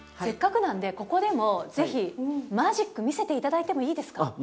せっかくなんでここでも是非マジック見せて頂いてもいいですか？